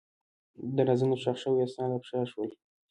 د رازونو ښخ شوي اسناد افشا شول.